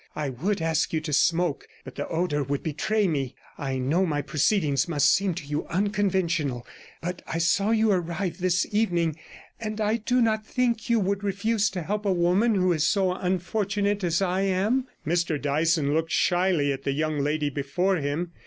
I would ask you to smoke, but the odour would betray me. I know my proceedings must seem to you unconventional; but I saw you arrive this evening, and I do not think you would refuse to help a woman who is so unfortunate as I am.' Mr Dyson looked shyly at the young lady before him.